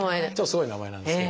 すごい名前なんですけど。